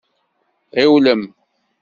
Ɣiwlem!